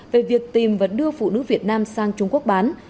về việc tìm và đưa phụ nữ việt nam sang trung quốc bán